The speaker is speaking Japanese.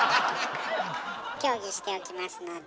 協議しておきますので。